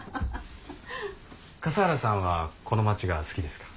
笠原さんはこの町が好きですか？